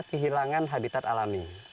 tarsius itu bukan habitat alami